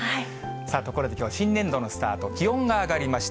さあ、ところできょうは新年度のスタート、気温が上がりました。